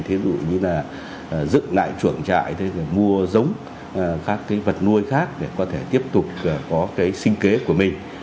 ví dụ như là dựng lại chuẩn trại để mua giống các vật nuôi khác để có thể tiếp tục có sinh kế của mình